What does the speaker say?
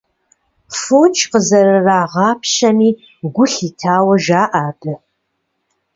Фоч къызэрырагъэпщами гу лъитауэ жаӏэ абы.